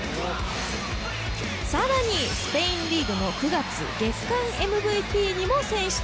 更に、スペインリーグの９月、月間ＭＶＰにも選出。